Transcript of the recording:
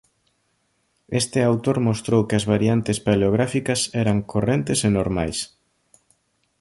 Este autor mostrou que as variantes paleográficas eran correntes e normais.